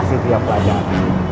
kasih dia pelajaran